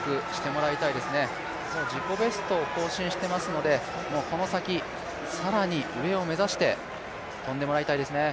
もう自己ベストを更新してますのでこの先、更に上を目指して跳んでもらいたいですね。